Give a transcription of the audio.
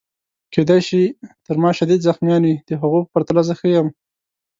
کیدای شي تر ما شدید زخمیان وي، د هغو په پرتله زه ښه یم.